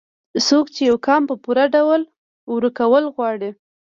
څوک چې يو قام په پوره ډول وروکول غواړي